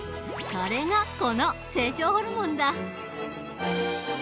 それがこの成長ホルモンだ。